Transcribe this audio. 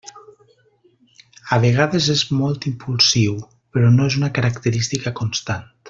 A vegades és molt impulsiu però no és una característica constant.